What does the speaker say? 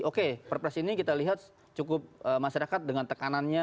oke perpres ini kita lihat cukup masyarakat dengan tekanannya